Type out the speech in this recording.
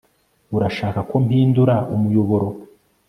Urashaka ko mpindura umuyoboro